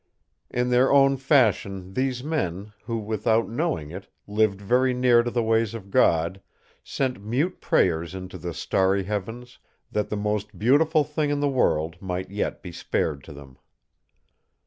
In their own fashion these men, who, without knowing it, lived very near to the ways of God, sent mute prayers into the starry heavens that the most beautiful thing in the world might yet be spared to them.